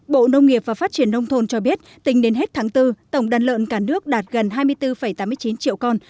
bộ nông nghiệp và phát triển nông thôn cho biết tính đến hết tháng bốn tổng đàn lợn cả nước đạt gần hai mươi bốn tám mươi chín triệu con